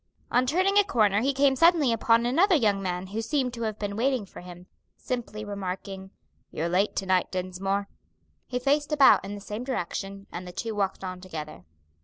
On turning a corner he came suddenly upon another young man who seemed to have been waiting for him; simply remarking, "You're late to night, Dinsmore," he faced about in the same direction, and the two walked on together.